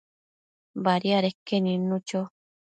Badiadeque nidnu cho